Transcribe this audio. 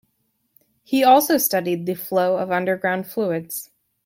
He also studied the flow of underground fluids.